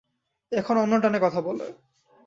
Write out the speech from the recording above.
এখন অন্য টানে কথা বলে।